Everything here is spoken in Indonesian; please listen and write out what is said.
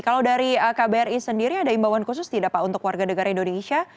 kalau dari kbri sendiri ada imbauan khusus tidak pak untuk warga negara indonesia